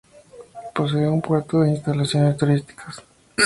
Posee un puerto e instalaciones turísticas.